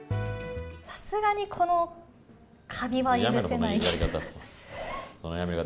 さすがに、このかびは許せないけど。